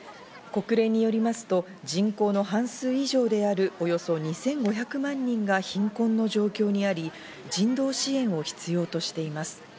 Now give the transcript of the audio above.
国連によりますと、人口の半数以上であるおよそ２５００万人が貧困の状況にあり、人道支援を必要としています。